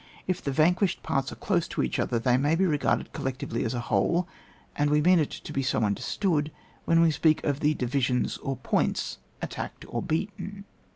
If the vanquished parts are close to each other, they may be regarded collectively as a whole, and we mean it to be so understood when we speak of the divisions or points attacked or beaten.